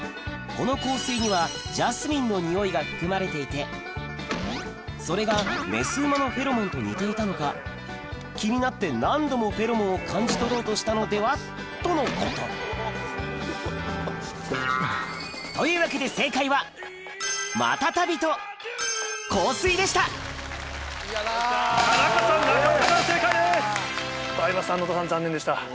この香水にはジャスミンのニオイが含まれていてそれがメス馬のフェロモンと似ていたのか気になって何度もフェロモンを感じ取ろうとしたのでは？とのことというわけで正解は田中さん中岡さん正解です。